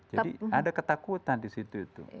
jadi ada ketakutan di situ itu